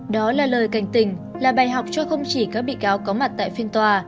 đó là lời cảnh tình là bài học cho không chỉ các bị cáo có mặt tại phiên tòa